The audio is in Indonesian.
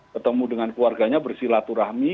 ketemu dengan keluarganya bersilaturahmi